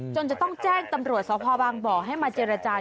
จนจะต้องแจ้งธรรมช์สภบางบ่อธิราชา